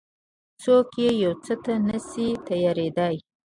څوک يو څه ته نه شي تيارېدای.